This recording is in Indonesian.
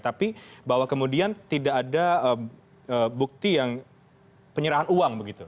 tapi bahwa kemudian tidak ada bukti yang penyerahan uang begitu